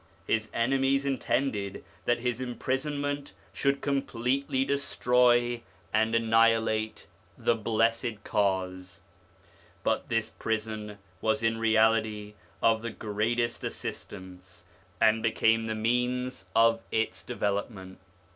His enemies intended that his imprisonment should completely destroy and annihilate the blessed Cause, but this prison was in reality of the greatest assistance, and became the means of its development.